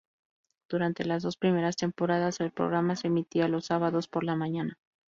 Durante las dos primeras temporadas el programa se emitía los sábados por la mañana.